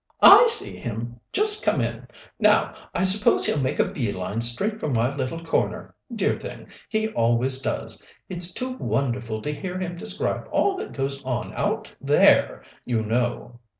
"I see him, just come in. Now, I suppose he'll make a bee line straight for my little corner. Dear thing, he always does! It's too wonderful to hear him describe all that goes on out there, you know.